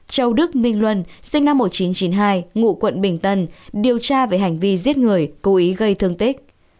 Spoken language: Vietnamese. châu đức minh luân sinh năm một nghìn chín trăm chín mươi hai ngụ quận bình tân điều tra về hành vi giết người cố ý gây thương tích